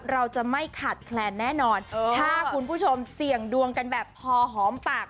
เราจะไม่ขาดแคลนแน่นอนถ้าคุณผู้ชมเสี่ยงดวงกันแบบพอหอมปาก